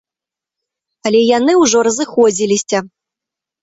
Але яны ўжо разыходзіліся.